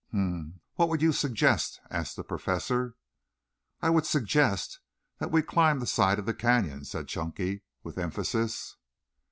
"Hm m m. What would you suggest?" asked the Professor. "I would suggest that we climb the side of the canyon," said Chunky with emphasis.